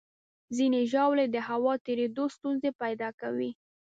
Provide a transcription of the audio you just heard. ځینې ژاولې د هوا تېرېدو ستونزې پیدا کوي.